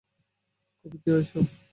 Copy কী এইসব?